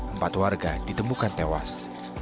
empat warga ditemukan tewas